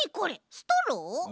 ストロー？